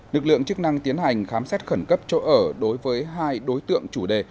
lực lượng chức năng tiến hành khám xét khẩn cấp chỗ ở đối với hai đối tượng chủ đề